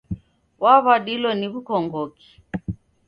Waw'adilo ni w'ukongoki?